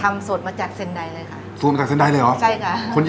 ทำสดมาจากเซ็นไดเลยค่ะ